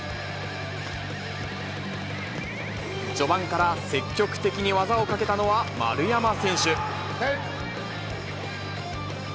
序盤から積極的に技をかけたのは丸山選手。